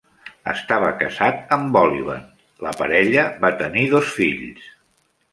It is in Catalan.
Estava casat amb Oliven; la parella va tenir dos fills.